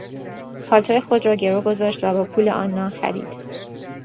پالتو خود را گرو گذاشت و با پول آن نان خرید.